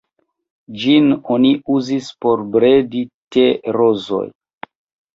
Ĝin oni uzis por bredi te-rozoj.